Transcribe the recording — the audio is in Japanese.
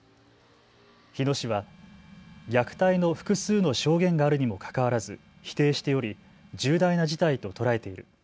日野市は虐待の複数の証言があるにもかかわらず否定しており重大な事態と捉えている。